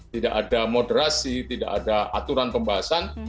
tidak ada moderasi tidak ada aturan pembahasan